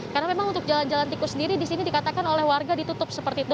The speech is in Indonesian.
karena memang untuk jalan jalan tikus sendiri di sini dikatakan oleh warga ditutup seperti itu